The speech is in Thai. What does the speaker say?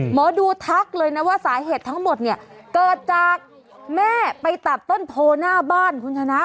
หมอดูทักเลยนะว่าสาเหตุทั้งหมดเนี่ยเกิดจากแม่ไปตัดต้นโพหน้าบ้านคุณชนะ